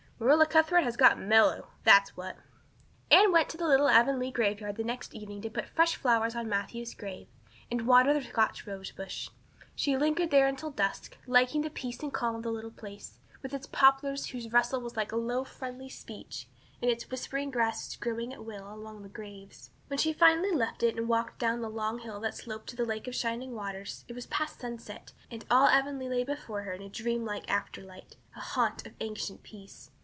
"Marilla Cuthbert has got mellow. That's what." Anne went to the little Avonlea graveyard the next evening to put fresh flowers on Matthew's grave and water the Scotch rosebush. She lingered there until dusk, liking the peace and calm of the little place, with its poplars whose rustle was like low, friendly speech, and its whispering grasses growing at will among the graves. When she finally left it and walked down the long hill that sloped to the Lake of Shining Waters it was past sunset and all Avonlea lay before her in a dreamlike afterlight "a haunt of ancient peace."